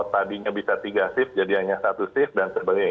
tadinya bisa tiga shift jadi hanya satu shift dan sebagainya